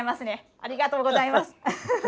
ありがとうございます。